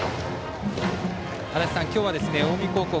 足達さん、今日は近江高校